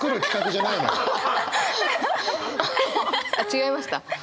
違いました？